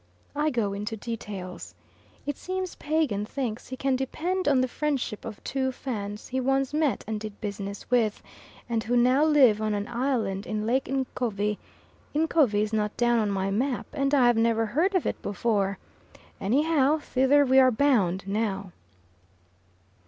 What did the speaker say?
I go into details. It seems Pagan thinks he can depend on the friendship of two Fans he once met and did business with, and who now live on an island in Lake Ncovi Ncovi is not down on my map and I have never heard of it before anyhow thither we are bound now.